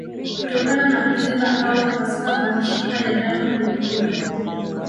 Kutokana na kuziba au kupasuka kwa mishipa ya damu kwenye ubongo